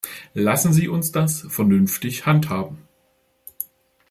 Lassen Sie uns das vernünftig handhaben.